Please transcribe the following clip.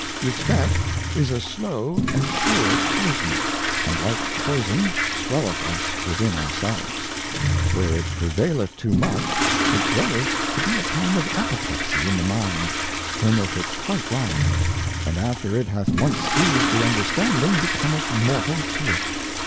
Respect is a slow and a sure Poison, and like Poison swelleth us within our selves. Where it prevaileth too much, it groweth to be a kind of Apoplexie in the Mind, turneth it quite round, and after it hath once seized the understanding, becometh mortal to it.